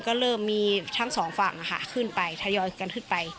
ก็เริ่มมีทั้งสองฝั่งขึ้นไปทยอยกันขึ้นไป